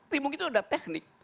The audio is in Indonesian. tapi mungkin itu ada teknik